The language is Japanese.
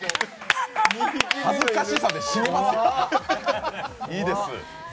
恥ずかしさで死にますよ、いいです。